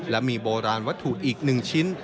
และมีโบราณวัตถุอีก๑ชิ้น